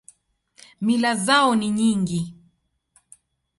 Mila zao ni nyingi.